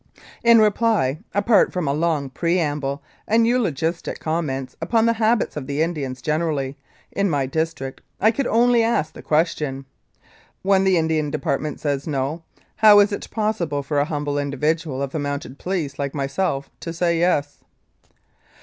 In reply, apart from a long preamble and eulogistic comments upon the habits of the Indians generally, in my district, I could only ask the question : "When the Indian Department says ' No, 1 how is it possible for a humble individual of the Mounted Police like myself to say ' Yes